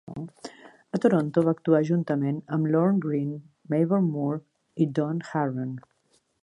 A Toronto, va actuar juntament amb Lorne Greene, Mavor Moore i Don Harron.